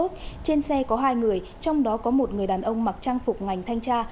trên xe có hai người trong đó có một người đàn ông mặc trang phục ngành thanh tra